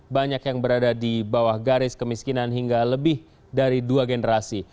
banyak yang berada di bawah garis kemiskinan hingga lebih dari dua generasi